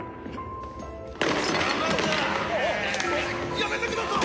やめてください！